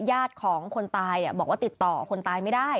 ญาติของคนตายบอกว่าติดต่อคนตายไม่ได้